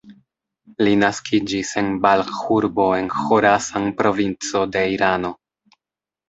Li naskiĝis en Balĥ-urbo en Ĥorasan-provinco de Irano.